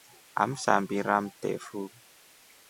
Amsambira mtefu.